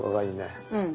うん。